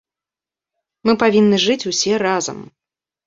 Мы павінны жыць усе разам.